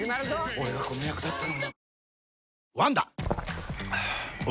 俺がこの役だったのにえ？